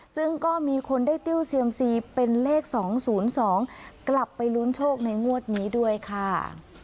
ซึ่งก็มีคนได้ติ้วเซียมซีเป็นเลข๒๐๒กลับไปลุ้นโชคในงวดนี้ด้วยค่ะ